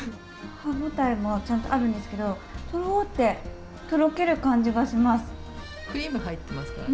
歯応えもちゃんとあるんですけどとろーってとろける感じがします。